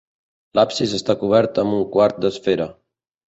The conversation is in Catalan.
L'absis està cobert amb un quart d'esfera.